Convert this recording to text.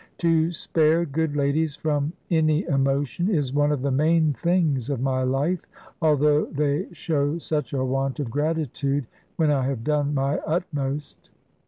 To spare good ladies from any emotion, is one of the main things of my life; although they show such a want of gratitude, when I have done my utmost.